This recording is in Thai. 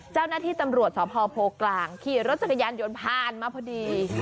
เจ้าหน้าที่ตำรวจสพโพกลางขี่รถจักรยานยนต์ผ่านมาพอดี